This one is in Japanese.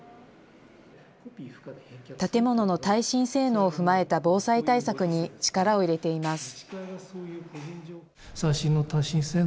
建物の耐震性能を踏まえた防災対策に力を入れています。